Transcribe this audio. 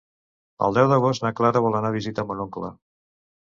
El deu d'agost na Clara vol anar a visitar mon oncle.